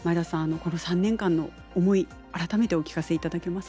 この３年間の思い改めてお聞かせいただけますか？